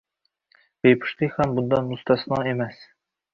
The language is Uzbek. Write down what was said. Bepushtlik ham bundan mustasno emas.